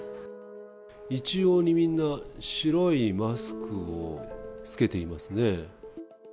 一様にみんな、白いマスクを着けていますね。